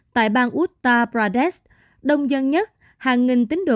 tại bang utta pradesh đông dân nhất hàng nghìn tính đồ